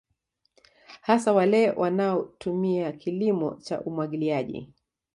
Hasa wale wanao tumia kilimo cha umwagiliaji